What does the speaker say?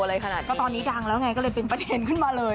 ตอนนี้ดังแล้วค่ะก็เป็นประเทนขึ้นมาเลย